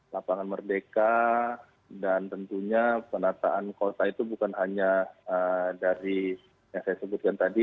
lapangan merdeka dan tentunya penataan kota itu bukan hanya dari yang saya sebutkan tadi